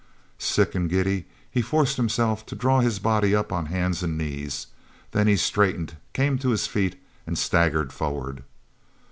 Sick and giddy, he forced himself to draw his body up on hands and knees. Then he straightened, came to his feet, and staggered forward.